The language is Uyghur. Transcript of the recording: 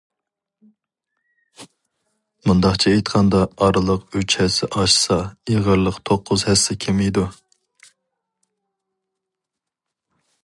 مۇنداقچە ئېيتقاندا ئارىلىق ئۈچ ھەسسە ئاشسا، ئېغىرلىق توققۇز ھەسسە كېمىيىدۇ.